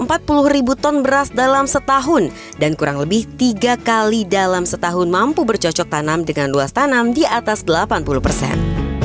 ada empat puluh ribu ton beras dalam setahun dan kurang lebih tiga kali dalam setahun mampu bercocok tanam dengan luas tanam di atas delapan puluh persen